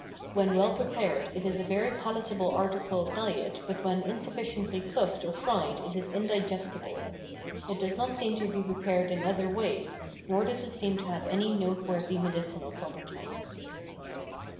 When well prepared it is a very palatable article of diet but when insufficiently cooked or fried it is indigestible. It does not seem to be prepared in other ways nor does it seem to have any noteworthy medicinal properties.